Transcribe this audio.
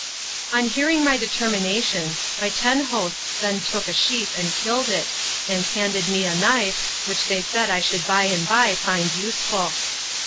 On hearing my determination my ten hosts then took a sheep and killed it, and handed me a knife, which they said I should by and by find useful.